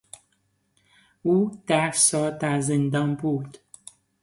او ده سال در زندان بود.